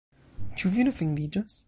Ĉu vi ne ofendiĝos?